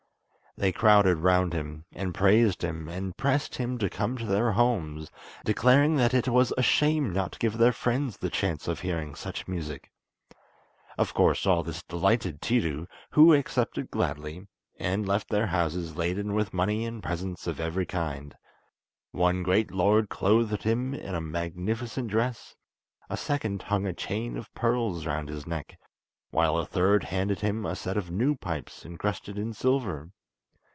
They crowded round him, and praised him, and pressed him to come to their homes, declaring that it was a shame not to give their friends the chance of hearing such music. Of course all this delighted Tiidu, who accepted gladly, and left their houses laden with money and presents of every kind; one great lord clothed him in a magnificent dress, a second hung a chain of pearls round his neck, while a third handed him a set of new pipes encrusted in silver.